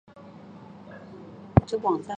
许洞人。